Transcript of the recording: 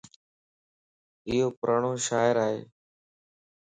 ايو پراڙون شاعر ائي